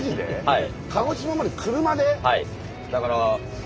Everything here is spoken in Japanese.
はい。